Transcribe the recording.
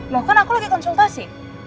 loh kan aku lagi konsultasi